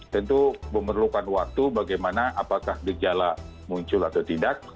tentu memerlukan waktu bagaimana apakah gejala muncul atau tidak